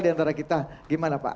diantara kita gimana pak